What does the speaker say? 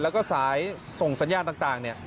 แล้วก็สายส่งสัญญาณต่างเนี่ย